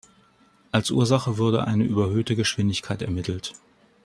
Als Ursache wurde eine überhöhte Geschwindigkeit ermittelt.